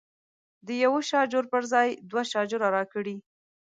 د یوه شاجور پر ځای دوه شاجوره راکړي.